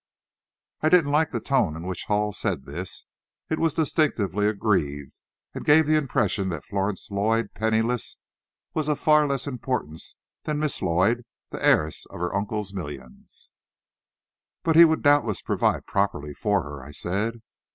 I didn't like the tone in which Hall said this. It was distinctly aggrieved, and gave the impression that Florence Lloyd, penniless, was of far less importance than Miss Lloyd, the heiress of her uncle's millions. "But he would doubtless provide properly for her," I said.